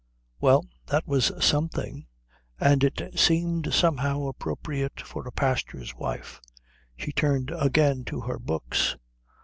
Well, that was something; and it seemed somehow appropriate for a pastor's wife. She turned again to her books.